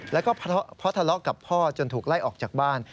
แล้วก็เพราะทะเลาะกับพ่อจนถูกไล่ออกจากบ้าน